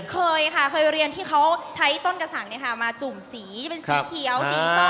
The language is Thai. เคยค่ะเคยเรียนที่เขาใช้ต้นกระสังมาจุ่มสีเป็นสีเขียวสีส้ม